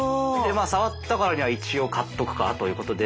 まあさわったからには一応買っとくかということで。